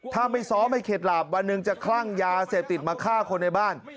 ถ้าไม่ซ้อมให้เข็ดหลาบวันหนึ่งจะคลั่งยาเสพติดมาฆ่าคนในบ้าน